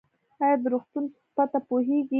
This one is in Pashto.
ایا د روغتون پته پوهیږئ؟